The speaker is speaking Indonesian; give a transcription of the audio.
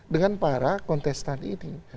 dengan para kontestan ini